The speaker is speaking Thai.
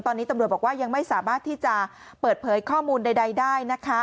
ตอนนี้ตำรวจบอกว่ายังไม่สามารถที่จะเปิดเผยข้อมูลใดได้นะคะ